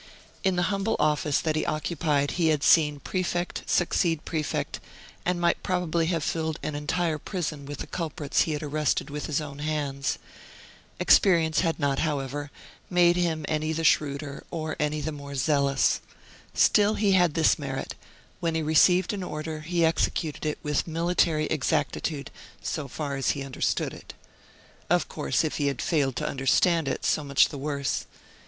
In the humble office that he occupied he had seen prefect succeed prefect, and might probably have filled an entire prison with the culprits he had arrested with his own hands. Experience had not, however, made him any the shrewder or any the more zealous. Still he had this merit, when he received an order he executed it with military exactitude, so far as he understood it. Of course if he had failed to understand it, so much the worse.